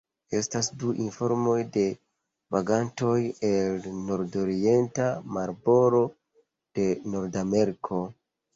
Estas du informoj de vagantoj el nordorienta marbordo de Nordameriko.